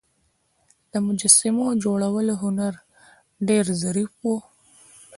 د مجسمو جوړولو هنر ډیر ظریف و